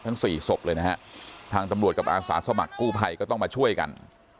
สี่ศพเลยนะฮะทางตำรวจกับอาสาสมัครกู้ภัยก็ต้องมาช่วยกัน